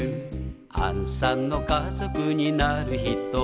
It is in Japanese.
「あんさんの家族になる人が」